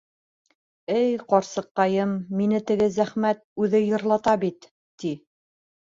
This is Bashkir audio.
— Эй ҡарсыҡҡайым, мине теге зәхмәт үҙе йырлата бит, — ти.